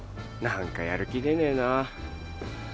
何かやる気出ねえなぁ。